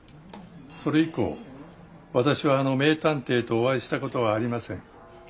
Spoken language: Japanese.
それ以降私はあの名探偵とお会いしたことはありません。